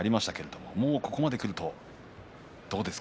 もうここまでくるとどうですか。